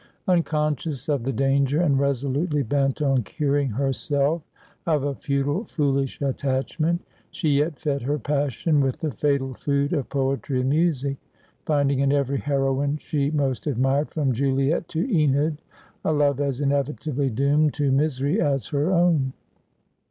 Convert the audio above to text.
Unconscious of the danger, and resolutely bent on curing herself of a futile foolish attachment, she yet fed her passion with the fatal food of poetry and music, finding in every heroine she most admired, from Juliet to Enid, a love as inevitably doomed to misery as her own.